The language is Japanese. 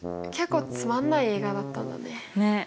結構つまんない映画だったんだね。